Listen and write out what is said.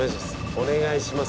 お願いします。